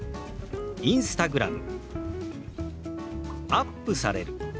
「アップされる」。